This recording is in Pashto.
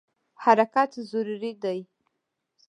حرکت ضروري دی.